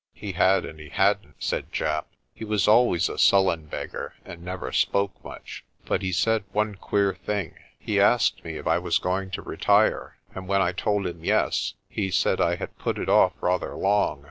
"He had and he hadn't," said Japp. "He was always a sullen beggar, and never spoke much. But he said one queer thing. He asked me if I was going to retire, and when I told him 'yes,' he said I had put it off rather long.